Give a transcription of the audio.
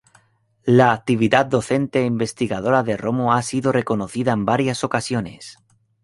La actividad docente e investigadora de Romo ha sido reconocida en varias ocasiones.